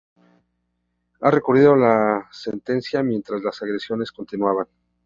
Recurrió la sentencia, mientras las agresiones continuaban.